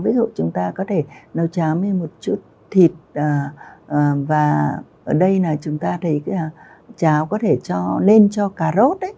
ví dụ chúng ta có thể nấu cháo với một chút thịt và ở đây là chúng ta thấy cái cháo có thể cho lên cho cà rốt